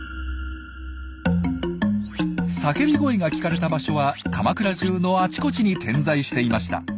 叫び声が聞かれた場所は鎌倉じゅうのあちこちに点在していました。